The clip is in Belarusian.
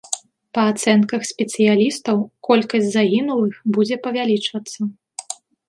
Па ацэнках спецыялістаў, колькасць загінулых будзе павялічвацца.